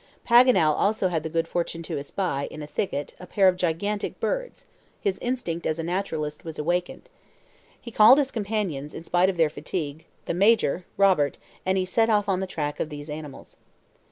Paganel also had the good fortune to espy, in a thicket, a pair of gigantic birds; his instinct as a naturalist was awakened. He called his companions, and in spite of their fatigue, the Major, Robert, and he set off on the track of these animals.